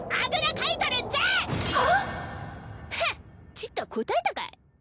ちっとはこたえたかい。